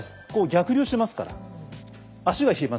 逆流してますから足が冷えます。